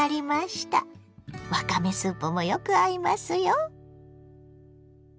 わかめスープもよく合いますよ。